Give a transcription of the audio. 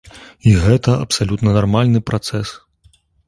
І гэта абсалютна нармальны працэс.